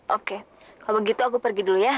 oke kalau begitu aku pergi dulu ya